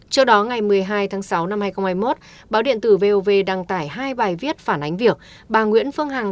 trước đó ngày một mươi hai tháng sáu năm hai nghìn hai mươi một báo điện tử vov đăng tải hai bài viết phản ánh việc bà nguyễn phương hằng